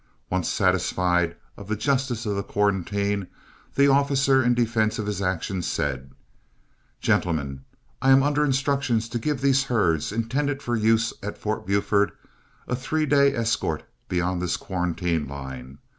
Once satisfied of the justice of quarantine, the officer, in defense of his action, said: "Gentlemen, I am under instructions to give these herds, intended for use at Fort Buford, a three days' escort beyond this quarantine line.